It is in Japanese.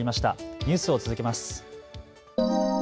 ニュースを続けます。